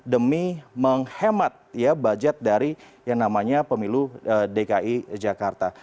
demi menghemat budget dari yang namanya pemilu dki jakarta